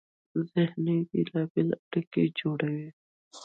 ذهن بېلابېلې اړیکې جوړوي.